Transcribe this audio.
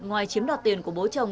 ngoài chiếm đoạt tiền của bố chồng